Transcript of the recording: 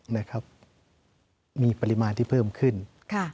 นะครับมีปริมาณที่เพิ่มขึ้นค่ะ